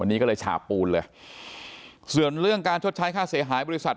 วันนี้ก็เลยฉาบปูนเลยส่วนเรื่องการชดใช้ค่าเสียหายบริษัท